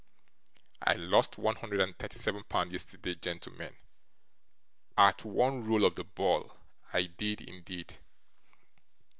I lost one hundred and thirty seven pound yesterday, gentlemen, at one roll of the ball, I did indeed!